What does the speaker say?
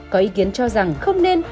có ý kiến cho rằng không nên